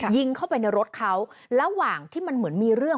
ยิงเข้าไปในรถเขาระหว่างที่มันเหมือนมีเรื่อง